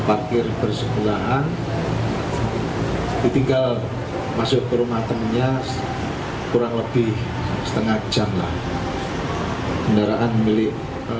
parkir bersebelahan ditinggal masuk ke rumah temannya kurang lebih setengah jam lah kendaraan milik